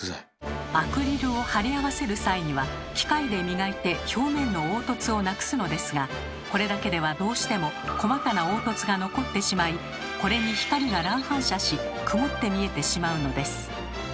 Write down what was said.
アクリルを貼り合わせる際には機械で磨いて表面の凹凸をなくすのですがこれだけではどうしても細かな凹凸が残ってしまいこれに光が乱反射し曇って見えてしまうのです。